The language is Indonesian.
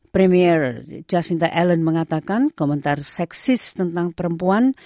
premier jacinta allen mengatakan komentar seksis tentang perempuan